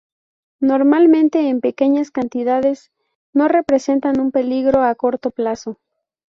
Normalmente en pequeñas cantidades, no representan un peligro a corto plazo.